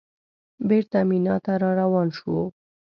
بېرته مینا ته راروان شوو.